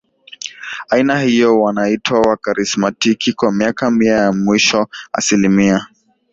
aina hiyo wanaitwa Wakarismatiki Kwa miaka Mia ya mwisho asilimia